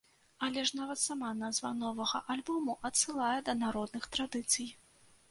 Але ж нават сама назва новага альбому адсылае да народных традыцый.